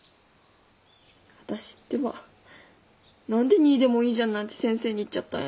あたしってば何で「２位でもいいじゃん」なんて先生に言っちゃったんやろ。